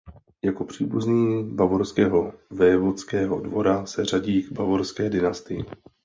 Jako příbuzný bavorského vévodského dvora se řadí k Bavorské dynastii.